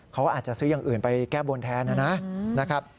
เขาอาจจะซื้ออย่างอื่นไปแก้บนแทนนะครับ